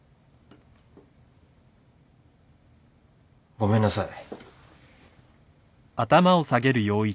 ごめんなさい。